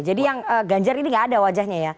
jadi yang ganjar ini gak ada wajahnya ya